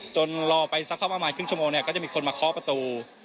รอไปสักประมาณครึ่งชั่วโมงเนี่ยก็จะมีคนมาเคาะประตู